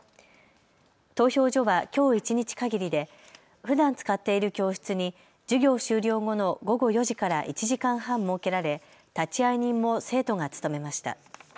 投票所はきょう一日かぎりでふだん使っている教室に授業終了後の午後４時から１時間半、設けられ立会人も生徒が務めました。